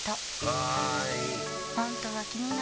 はーい！